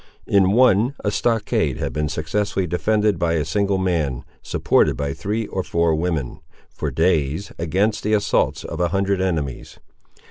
In one, a stockade had been successfully defended by a single man, supported by three or four women, for days, against the assaults of a hundred enemies.